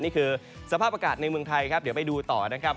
นี่คือสภาพอากาศในเมืองไทยครับเดี๋ยวไปดูต่อนะครับ